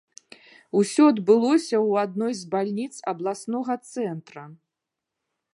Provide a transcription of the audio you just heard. Усё адбылося ў адной з бальніц абласнога цэнтра.